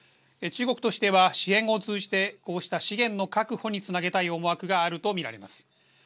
中国としては、支援を通じてこうした資源の確保につなげたい思惑があるとみられます。